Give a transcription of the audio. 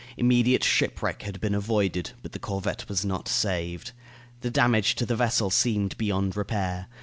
Immediate shipwreck had been avoided, but the corvette was not saved. The damage to the vessel seemed beyond repair.